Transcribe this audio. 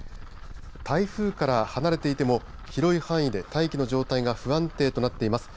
台風から離れていても広い範囲で大気の状態が不安定となっています。